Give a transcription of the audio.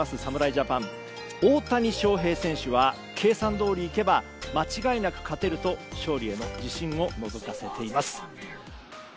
ジャパン大谷翔平選手は計算どおりいけば間違いなく勝てると勝利への自信をのぞかせています。